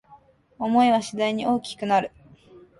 想いは次第に大きくなる